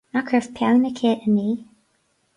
Nach raibh peann aici inné